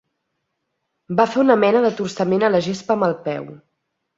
Va fer una mena de torçament a la gespa amb el peu.